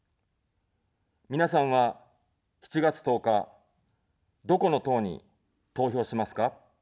皆さんは、７月１０日、どこの党に投票しますか。